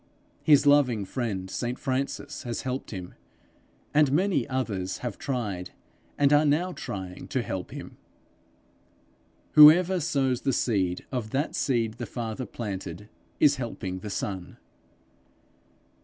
His loving friend St Francis has helped him, and many others have tried, and are now trying to help him: whoever sows the seed of that seed the Father planted is helping the Son.